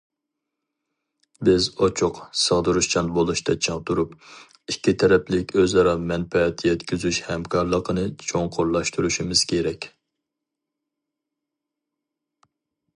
بىز ئوچۇق، سىغدۇرۇشچان بولۇشتا چىڭ تۇرۇپ، ئىككى تەرەپلىك ئۆزئارا مەنپەئەت يەتكۈزۈش ھەمكارلىقىنى چوڭقۇرلاشتۇرۇشىمىز كېرەك.